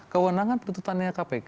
kewenangan penuntutannya kpk